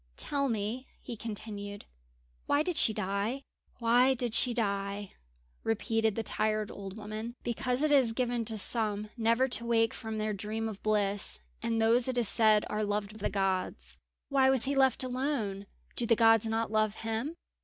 "Tell me," he continued, "why did she die?" "Why did she die?" repeated the tired old woman. "Because it is given to some never to wake from their dream of bliss, and those it is said are loved of the gods." "Why was he left alone? Do the gods not love him?"